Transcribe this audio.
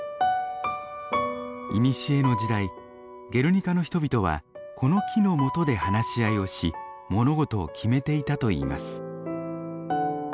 いにしえの時代ゲルニカの人々はこの木のもとで話し合いをし物事を決めていたといいます。